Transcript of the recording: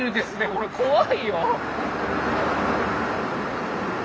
これ怖いよ。